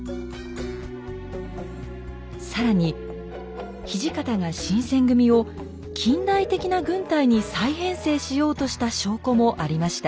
更に土方が新選組を近代的な軍隊に再編成しようとした証拠もありました。